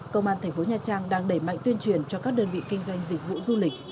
công an thành phố nha trang đang đẩy mạnh tuyên truyền cho các đơn vị kinh doanh dịch vụ du lịch